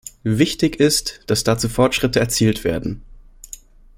Wichtig ist, dass dazu Fortschritte erzielt werden.